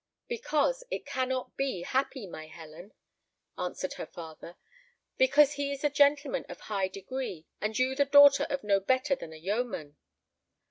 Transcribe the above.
"Because it cannot be happy, my Helen," answered her father; "because he is a gentleman of high degree, and you the daughter of no better than a yeoman."